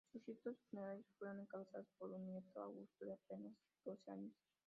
Sus ritos funerarios fueron encabezados por su nieto Augusto, de apenas doce años.